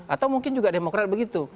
atau mungkin juga demokrat begitu